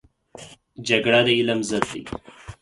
جګړه د علم ضد دی